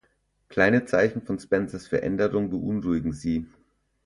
Kleine Zeichen von Spencers Veränderung beunruhigen sie.